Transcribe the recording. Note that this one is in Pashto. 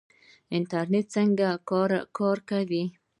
انټرنیټ څنګه کار کوي؟